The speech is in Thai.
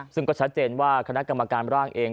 ซึ่งก็ชัดเจนว่าคณะกรรมการร่างเอง